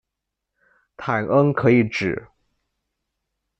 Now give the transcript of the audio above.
坦恩可以指：